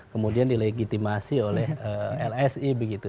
kemudian dilegitimasi oleh lsi begitu